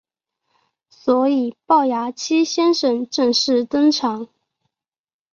所以暴牙七先生正式登场。